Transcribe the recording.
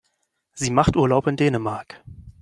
Sie macht Urlaub in Dänemark.